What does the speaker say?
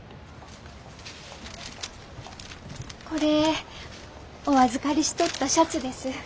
これお預かりしとったシャツです。